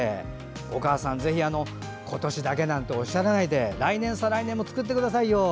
お母さん、ぜひ今年だけなんておっしゃらないで来年、再来年も作ってくださいよ！